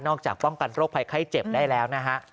จากป้องกันโรคภัยไข้เจ็บได้แล้วนะฮะ